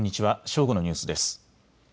正午のニュースです。